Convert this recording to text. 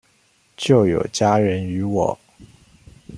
就有家人與我